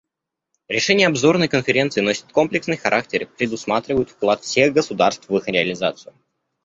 Решения обзорной Конференции носят комплексный характер и предусматривают вклад всех государств в их реализацию.